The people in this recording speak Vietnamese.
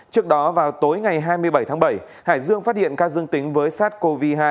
trước đó vào tối ngày hai mươi bảy tháng bảy hải dương phát hiện ca dương tính với sars cov hai